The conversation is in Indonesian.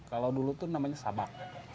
kalau dulu itu namanya sabak